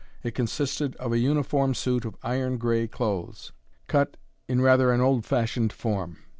It consisted of a uniform suit of iron gray clothes, cut in rather an old fashioned form.